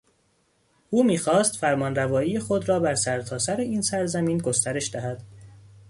او میخواست فرمانروایی خود را بر سرتاسر این سرزمین گسترش دهد.